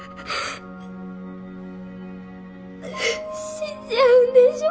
死んじゃうんでしょ？